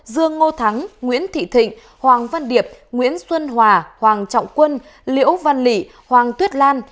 dương ngô thắng nguyễn thị thịnh hoàng văn điệp nguyễn xuân hòa hoàng trọng quân liễu văn lị hoàng tuyết lan